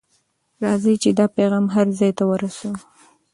راځئ چې دا پیغام هر ځای ته ورسوو.